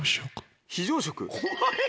非常食。